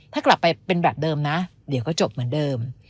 ถ้ากลับไปเป็นแบบเดิมนะเดี๋ยวก็จบเหมือนเดิม